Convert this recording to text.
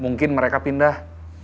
mungkin mereka pindah